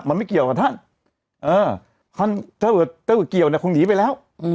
มันไม่เกี่ยวกับท่านเออถ้าเกี่ยวเนี่ยคงหนีไปแล้วอืม